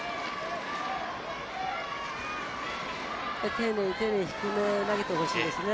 丁寧に丁寧に低めに投げてほしいですね。